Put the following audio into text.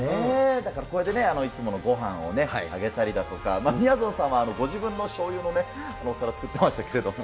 だからこうやってね、いつものごはんをあげたりだとか、みやぞんさんはご自分のしょうゆのね、お皿作ってましたけれども。